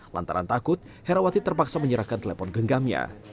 lantaran takut herawati terpaksa menyerahkan telepon genggamnya